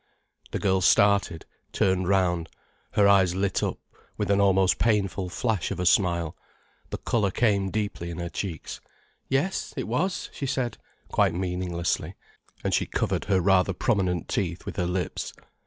The girl started, turned round, her eyes lit up with an almost painful flash of a smile, the colour came deeply in her cheeks. "Yes, it was," she said, quite meaninglessly, and she covered her rather prominent teeth with her lips.